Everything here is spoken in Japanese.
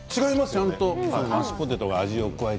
ちゃんとマッシュポテトが味が。